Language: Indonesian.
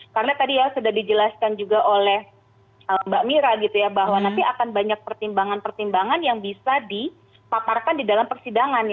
karena tadi ya sudah dijelaskan juga oleh mbak mira gitu ya bahwa nanti akan banyak pertimbangan pertimbangan yang bisa dipaparkan di dalam persidangan